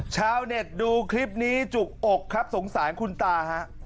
ชาวเน็ตดูคลิปนี้จุกอกครับสงสารคุณตาฮะ